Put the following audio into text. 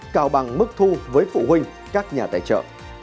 cao bằng mức thu với phụ huynh các nhà tài trợ